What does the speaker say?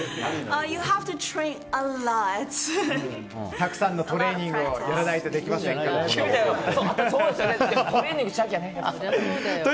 たくさんのトレーニングをやらないとできませんと。